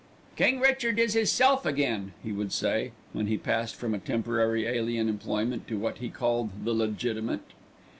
"King Richard is 'isself again," he would say, when he passed from a temporary alien employment to what he called the "legitimate."